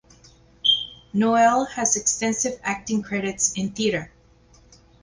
Noel has extensive acting credits in theatre.